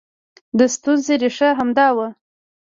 د ستونزې ریښه همدا وه